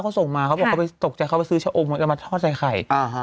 พี่ท่าเขาส่งมาเค้าบอกเขาไปตกใจเขาไปซื้อชาโอมมาทอตใส่ไข่